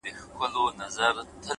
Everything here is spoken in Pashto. هوښیار انسان له فرصتونو ساتنه کوي’